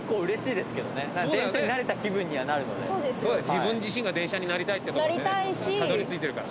自分自身が電車になりたいっていう事でねたどり着いてるから。